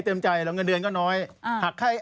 เต็มใจไหม